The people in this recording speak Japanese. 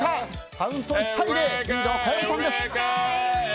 カウント１対０リードは小籔さんです。